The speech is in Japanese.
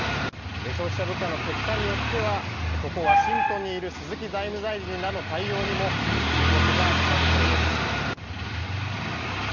消費者物価の結果によっては、ここ、ワシントンにいる鈴木財務大臣らの対応にも注目が集まりそうです。